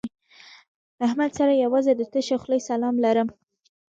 له احمد سره یوازې د تشې خولې سلام لرم.